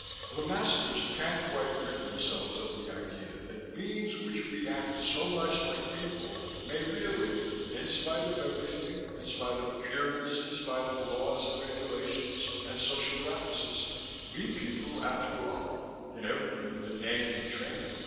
The masters can't quite rid themselves of the idea that beings which react so much like people may really (in spite of everything, in spite of appearance, in spite of laws and regulations and social practices) be people, after all, in everything but name and training.